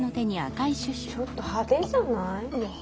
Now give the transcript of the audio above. ちょっと派手じゃない？